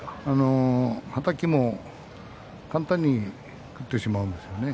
はたきも簡単に食ってしまうんですよね。